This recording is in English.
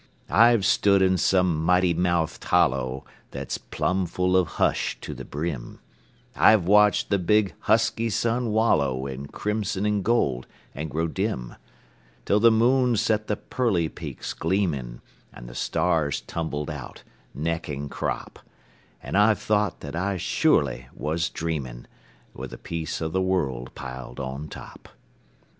I've stood in some mighty mouthed hollow That's plumb full of hush to the brim; I've watched the big, husky sun wallow In crimson and gold, and grow dim, Till the moon set the pearly peaks gleaming, And the stars tumbled out, neck and crop; And I've thought that I surely was dreaming, With the peace o' the world piled on top.